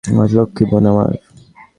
লক্ষী বোন আমার।